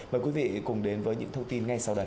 mời quý vị cùng đến với những thông tin ngay sau đây